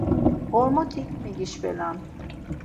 Ğormotik megişvelan.